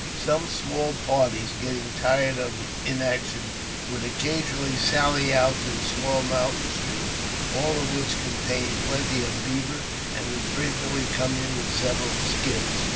Some small parties, getting tired of inaction, would occasionally sally out to the small mountain streams, all of which contained plenty of beaver, and would frequently come in with several skins.